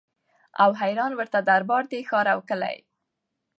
او حیران ورته دربار دی ښار او کلی